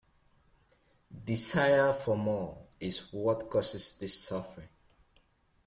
Desire for more is what causes this suffering.